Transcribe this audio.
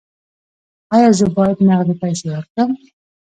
ایا زه باید نغدې پیسې ورکړم؟